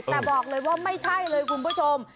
แต่บอกเลยว่าไม่ใช่เลยคุณผู้ชม